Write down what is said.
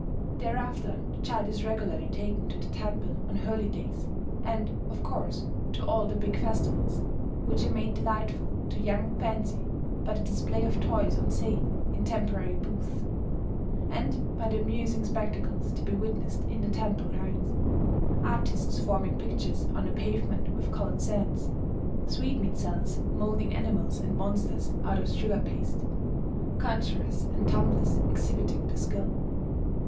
Thereafter the child is regularly taken to the temple on holy days, and of course to all the big festivals, which are made delightful to young fancy by the display of toys on sale in temporary booths, and by the amusing spectacles to be witnessed in the temple grounds, artists forming pictures on the pavement with coloured sands, sweetmeat sellers moulding animals and monsters out of sugar paste, conjurors and tumblers exhibiting their skill....